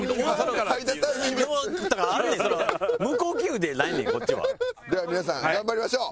では皆さん頑張りましょう。